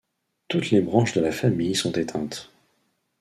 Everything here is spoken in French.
Toutes les branches de la famille sont éteintes.